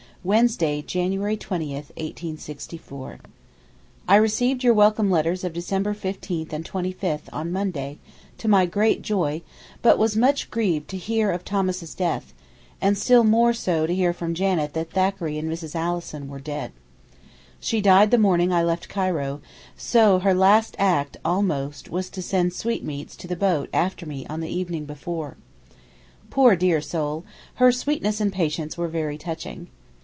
Wednesday, January 20, 1864. I received your welcome letters of December 15 and 25 on Monday, to my great joy, but was much grieved to hear of Thomas's death, and still more so to hear from Janet that Thackeray and Mrs. Alison were dead. She died the morning I left Cairo, so her last act almost was to send sweetmeats to the boat after me on the evening before. Poor dear soul her sweetness and patience were very touching.